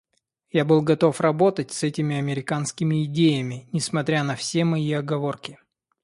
Я был готов работать с этими американскими идеями, несмотря на все мои оговорки.